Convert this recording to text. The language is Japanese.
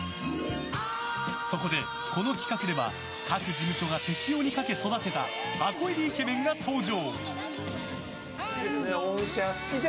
そこでこの企画では各事務所が手塩にかけて育てた箱入りイケメンが登場。